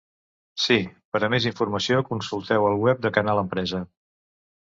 Sí, per a més informació consulteu el web de Canal Empresa.